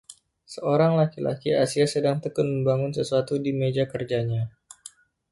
Seorang laki-laki Asia sedang tekun membangun sesuatu di meja kerjanya.